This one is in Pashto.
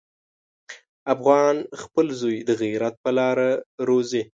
افغان خپل زوی د غیرت په لاره روزي.